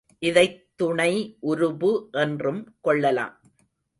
இதைத் துணை உருபு என்றும் கொள்ளலாம்.